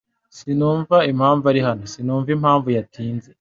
Sinumva impamvu ari hano. Sinumva impamvu yatinze.